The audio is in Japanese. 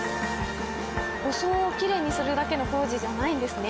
装をきれいにするだけの工事じゃないんですね。